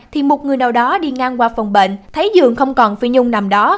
thì một người nào đó đi ngang qua phòng bệnh thấy dường không còn phi nhung nằm đó